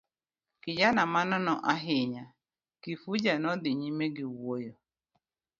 Kijana ma nono ahinya, Kifuja nodhi nyime giwuoyo.